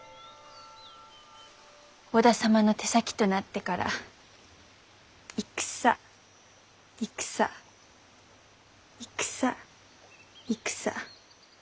織田様の手先となってから戦戦戦戦。